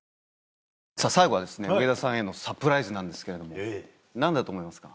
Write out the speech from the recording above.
最後は上田さんへのサプライズなんですけど何だと思いますか？